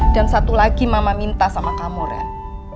dan satu lagi mama minta sama kamu ren